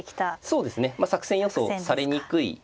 そうですね作戦予想されにくいので。